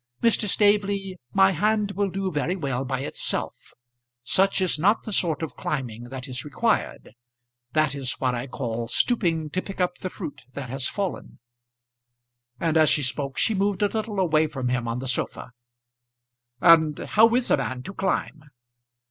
Mr. Staveley, my hand will do very well by itself. Such is not the sort of climbing that is required. That is what I call stooping to pick up the fruit that has fallen." And as she spoke, she moved a little away from him on the sofa. "And how is a man to climb?"